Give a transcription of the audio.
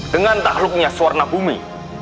dengan takluknya suarna bumi